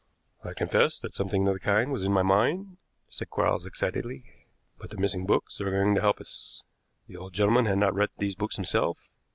"I confess that something of the kind was in my mind," said Quarks excitedly, "but the missing books are going to help us. The old gentleman had not read these books himself.